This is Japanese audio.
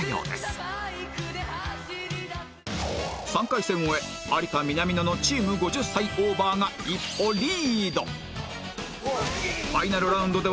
３回戦を終え有田・南野のチーム５０歳オーバーが一歩リード